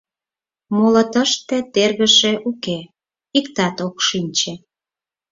Моло тыште тергыше уке: иктат ок шинче.